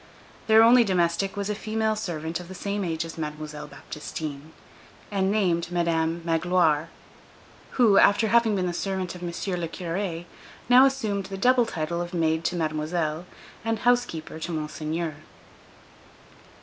Their only domestic was a female servant of the same age as Mademoiselle Baptistine, and named Madame Magloire, who, after having been the servant of M. le Curé, now assumed the double title of maid to Mademoiselle and housekeeper to Monseigneur.